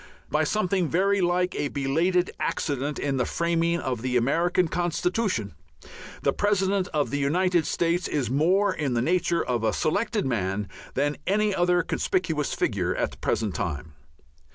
By something very like a belated accident in the framing of the American constitution, the President of the United States is more in the nature of a selected man than any other conspicuous figure at the present time.